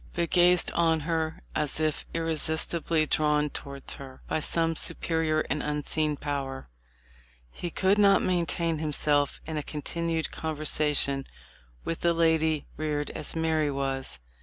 but gazed on her as if irresistibly drawn towards her by some superior and unseen power. He could not maintain himself in a continued conversation with a lady reared as Mary was.